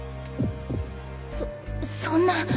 そそんな！